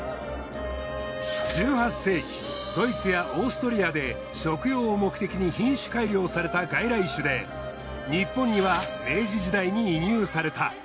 １８世紀ドイツやオーストリアで食用を目的に品種改良された外来種で日本には明治時代に移入された。